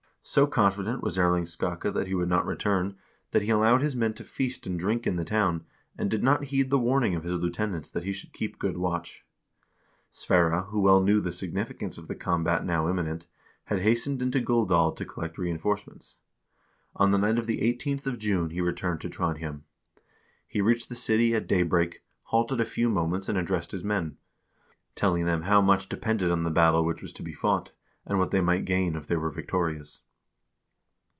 So confident was Erling Skakke that he would not return that he allowed his men to feast and drink in the town, and did not heed the warning of his lieutenants that he should keep good watch. Sverre, who well knew the significance of the combat now imminent, had hastened into Guldal to collect reenforcements. On the night of the 18th of June he returned to Trondhjem. He reached the city at daybreak, halted a few moments and addressed his men, telling them how much depended on the battle which was to be fought, and what they might gain if they were victorious.